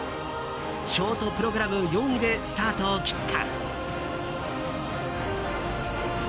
ショートプログラム４位でスタートを切った。